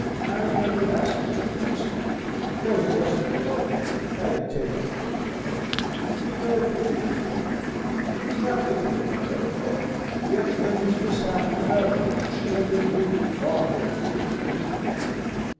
Harry never asked about that slavery, though he must have known it, had he taken the trouble to think. He never pitied his cousin. He was not thinking about her at all. Yet when his mishap befell him, she had been wounded far more cruelly than he was.